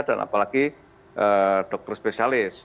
dan apalagi dokter spesialis